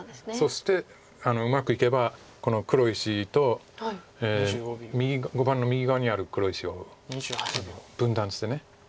そしてうまくいけばこの黒石と碁盤の右側にある黒石を分断して。